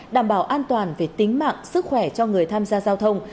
đảm bảo an toàn về tính mạng sức khỏe cho người tham gia giao thông